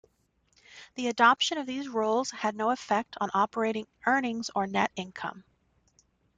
The adoption of these rules had no effect on operating earnings or net income.